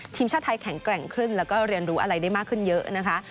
ทีมชาติไทยแข็งแกร่งขึ้นแล้วก็เรียนรู้อะไรได้มากขึ้นเยอะนะคะ